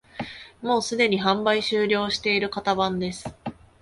もうすでに販売終了している型番です